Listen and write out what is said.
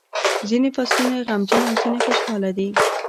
ځینې فصلونه یې غمجن او ځینې خوشاله دي.